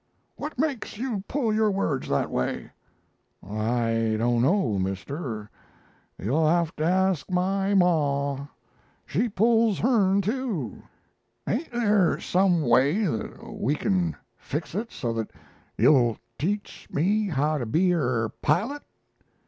"'What makes you pull your words that way?' "'I don't know, mister; you'll have to ask my Ma. She pulls hern too. Ain't there some way that we can fix it, so that you'll teach me how to be er pilot?'